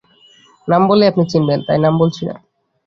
নাম বললেই আপনি চিনবেন, তাই নাম বলছি না।